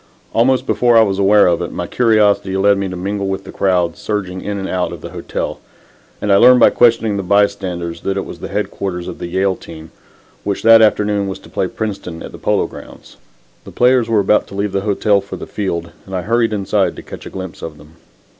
Almost before I was aware of it my curiosity led me to mingle with the crowd surging in and out of the hotel, and I learned by questioning the bystanders that it was the headquarters of the Yale team, which that afternoon was to play Princeton at the Polo Grounds. The players were about to leave the hotel for the field, and I hurried inside to catch a glimpse of them.